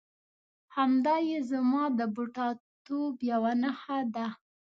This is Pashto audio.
همدایې زما د بوډاتوب یوه نښه ده.